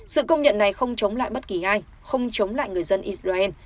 sự công nhận này không chống lại bất kỳ ai không chống lại người dân israel